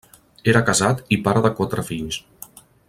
Era casat i pare de quatre fills.